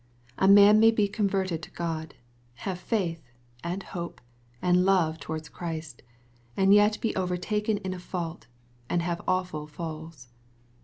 A man may be converted to God, have faith, and hope, and love towards Christ, and yet be overtaken in a fault, and have awful falls.